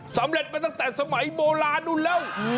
สำเร็จมาตั้งแต่สมัยโบราณนู้นแล้ว